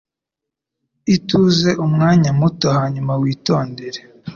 Ituze umwanya muto hanyuma witondere.